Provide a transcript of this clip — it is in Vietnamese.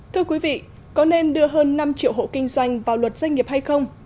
thưa quý vị có nên đưa hơn năm triệu hộ kinh doanh vào luật doanh nghiệp hay không